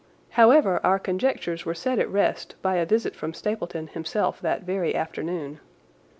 However, our conjectures were set at rest by a visit from Stapleton himself that very afternoon.